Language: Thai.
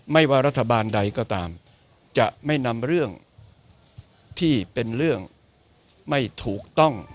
ว่ารัฐบาลใดก็ตามจะไม่นำเรื่องที่เป็นเรื่องไม่ถูกต้อง